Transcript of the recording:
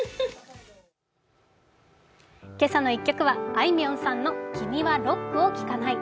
「けさの１曲」はあいみょんさんの「君はロックを聴かない」。